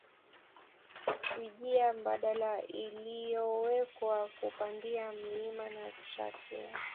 Wjia mbadala iliyowekwa kupandia mlima ni trakea